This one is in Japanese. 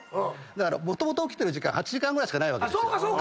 だからもともと起きてる時間８時間ぐらいしかないわけですよ。